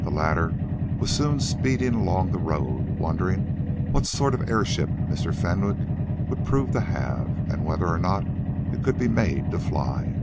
The latter was soon speeding along the road, wondering what sort of an airship Mr. Fenwick would prove to have, and whether or not it could be made to fly.